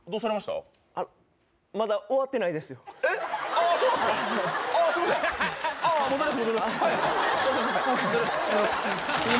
まだ終わってないですよ。